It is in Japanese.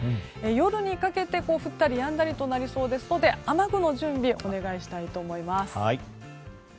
夜にかけて降ったりやんだりとなりそうですので雨具の準備お願いしたいと思います。